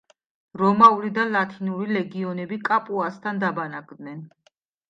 რომაული და ლათინური ლეგიონები კაპუასთან დაბანაკდნენ.